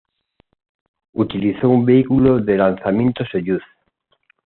Utilizó un vehículo de lanzamiento Soyuz.